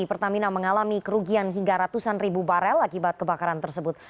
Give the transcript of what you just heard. pertamina mengalami kerugian hingga ratusan ribu barel akibat kebakaran tersebut